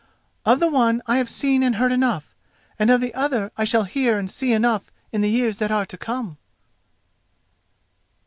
Of the one I have seen and heard enough, and of the other I shall hear and see enough in the years that are to come."